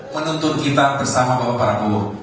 menuntut kita bersama bapak prabowo